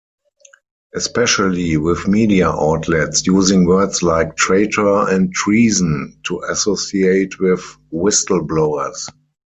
Especially with media outlets using words like "traitor" and "treason" to associate with whistleblowers.